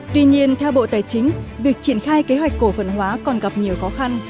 tuy nhiên theo bộ tài chính việc triển khai kế hoạch cổ phần hóa còn gặp nhiều khó khăn